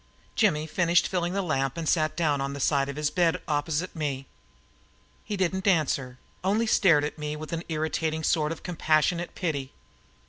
Jimmy finished filling the lamp and sat down on the side of his bed opposite me. He didn't answer; only stared at me with an irritating sort of compassionate pity.